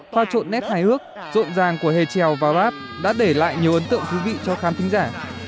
phao trộn nét hài hước rộn ràng của hề trèo và rap đã để lại nhiều ấn tượng thú vị cho khán thính giả